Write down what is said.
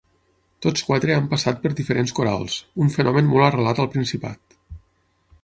Tots quatre han passat per diferents corals, un fenomen molt arrelat al Principat.